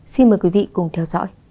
xin mời quý vị cùng theo dõi